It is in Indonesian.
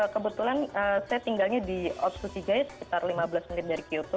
kebetulan saya tinggalnya di otsu sigai sekitar lima belas menit dari kyoto